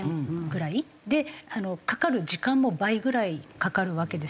でかかる時間も倍ぐらいかかるわけですよね。